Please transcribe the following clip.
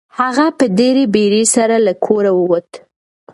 هغه په ډېرې بیړې سره له کوره ووت.